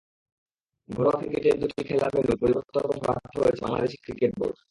ঘরোয়া ক্রিকেটের দুটি খেলার ভেন্যু পরিবর্তন করতে বাধ্য হয়েছে বাংলাদেশ ক্রিকেট বোর্ড।